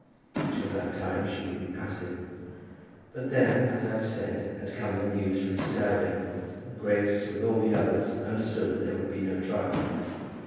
Till that time she would be passive. But then, as I have said, had come the news from Mrs. Arabin, and Grace, with all the others, understood that there would be no trial.